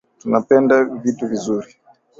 Tunapenda vitu vizuri